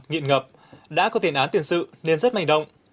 nghiện ngập đã có tiền án tiền sự nên rất manh động